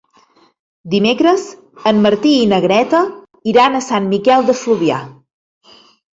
Dimecres en Martí i na Greta iran a Sant Miquel de Fluvià.